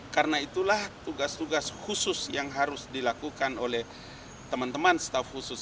karena itulah tugas tugas khusus yang harus dilakukan oleh teman teman staff khusus